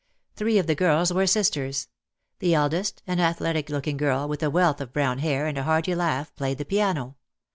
Three of the girls were sisters; the eldest, an athletic looking girl, with a wealth of brown hair and a hearty laugh, played the piano.